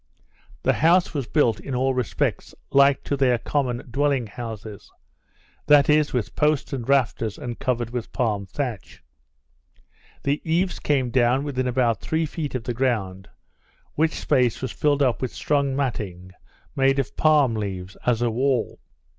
The house was built, in all respects, like to their common dwelling houses; that is, with posts and rafters, and covered with palm thatch. The eaves came down within about three feet of the ground, which space was filled up with strong matting made of palm leaves, as a wall.